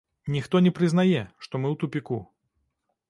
Ніхто не прызнае, што мы ў тупіку.